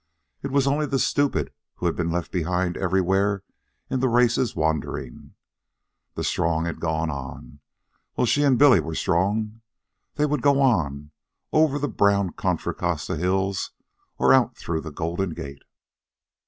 It was only the stupid who had been left behind everywhere in the race's wandering. The strong had gone on. Well, she and Billy were strong. They would go on, over the brown Contra Costa hills or out through the Golden Gate.